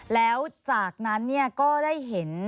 แล้วจากนั้นก็ได้เห็น